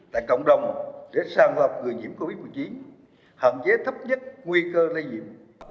tại cộng đồng để sàng hợp người nhiễm covid một mươi chín hạn chế thấp nhất nguy cơ lây nhiễm